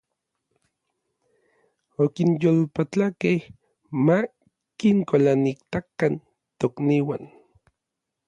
Okinyolpatlakej ma kinkualanitakan tokniuan.